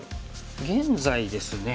現在ですね